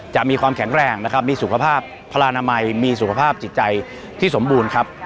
มีความแข็งแรงนะครับมีสุขภาพพลานามัยมีสุขภาพจิตใจที่สมบูรณ์ครับ